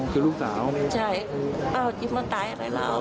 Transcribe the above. คือลูกสาวไม่ใช่อ้าวจิ๊บมันตายอะไรแล้ว